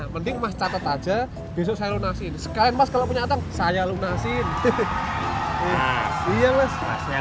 mending mas catat aja besok saya lunasin sekalian mas kalau punya atang saya lunasin iya mas masnya